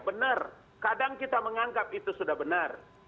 benar kadang kita menganggap itu sudah benar